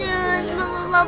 bapak bapak mana